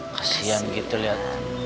kasian gitu lihat